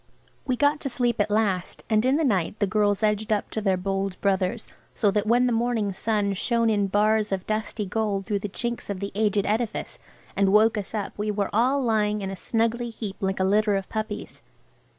We got to sleep at last, and in the night the girls edged up to their bold brothers, so that when the morning sun "shone in bars of dusty gold through the chinks of the aged edifice" and woke us up we were all lying in a snuggly heap like a litter of puppies.